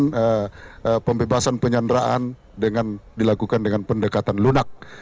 dan pembebasan penyanderaan dilakukan dengan pendekatan lunak